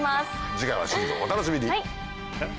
次回はシリコーンお楽しみに。